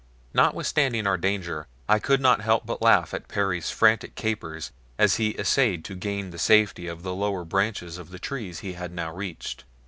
Notwithstanding our danger I could not help but laugh at Perry's frantic capers as he essayed to gain the safety of the lower branches of the trees he now had reached.